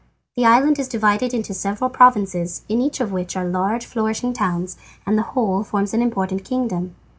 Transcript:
The island is divided into several provinces, in each of which are large flourishing towns, and the whole forms an important kingdom.